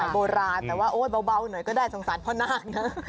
สโลปายแหละในสมัยโบราณแต่ว่าเบาหน่อยก็ได้สงสัยพ่อนาคนะ